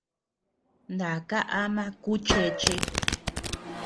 Naka ama kú chéche.